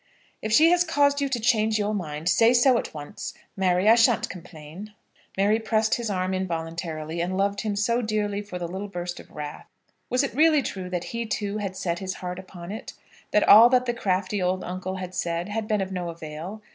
"If she has caused you to change your mind, say so at once, Mary. I shan't complain." Mary pressed his arm involuntarily, and loved him so dearly for the little burst of wrath. Was it really true that he, too, had set his heart upon it? that all that the crafty old uncle had said had been of no avail?